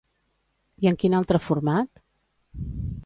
I en quin altre format?